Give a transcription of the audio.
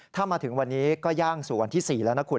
ถ้ามาถึงวันนี้ก็ย่างสู่วันที่๔แล้วนะคุณ